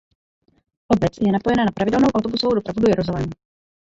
Obec je napojena na pravidelnou autobusovou dopravu do Jeruzalému.